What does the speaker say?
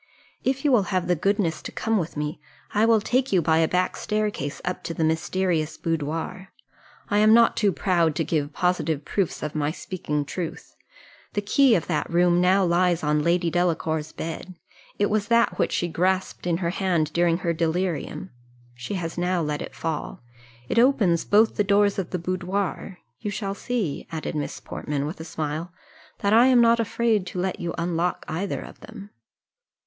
If you will have the goodness to come with me, I will take you by a back staircase up to the mysterious boudoir. I am not too proud to give positive proofs of my speaking truth; the key of that room now lies on Lady Delacour's bed it was that which she grasped in her hand during her delirium she has now let it fall it opens both the doors of the boudoir you shall see," added Miss Portman, with a smile, "that I am not afraid to let you unlock either of them."